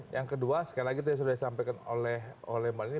yang kedua sekali lagi tadi sudah disampaikan oleh mbak nini